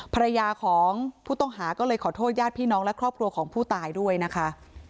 ภรรยาของผู้ต้องหาก็เลยขอโทษญาติพี่น้องและครอบครัวของผู้ตายด้วยนะคะ